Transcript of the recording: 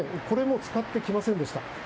これも使ってきませんでした。